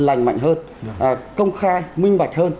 lành mạnh hơn công khai minh bạch hơn